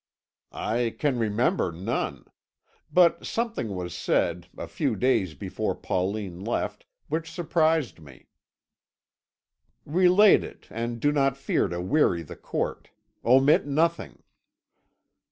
"I can remember none. But something was said, a few days before Pauline left, which surprised me." "Relate it, and do not fear to weary the court. Omit nothing."